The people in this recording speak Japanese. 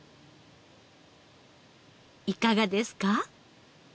いかがですか？